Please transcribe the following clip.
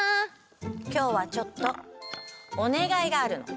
きょうはちょっとおねがいがあるの。